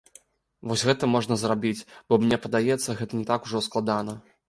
Вось гэта можна зрабіць, бо мне падаецца, гэта не так ужо складана.